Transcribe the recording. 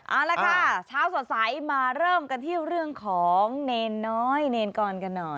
เอาละค่ะเช้าสดใสมาเริ่มกันที่เรื่องของเนรน้อยเนรกรกันหน่อย